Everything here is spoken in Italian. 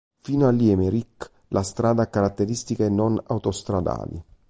Fino a Limerick, la strada ha caratteristiche non autostradali.